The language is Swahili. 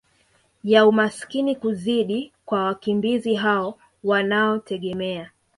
ya umaskini kuzidi kwa wakimbizi hao wanaotegemea